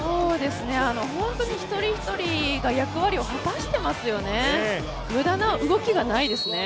本当に一人一人が役割を果たしてますよね。